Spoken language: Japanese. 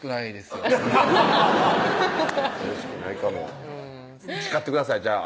よろしくないかも誓ってくださいじゃあ